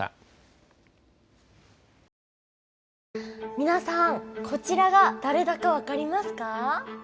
皆さんこちらが誰だか分かりますか？